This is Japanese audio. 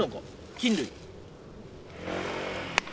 菌類。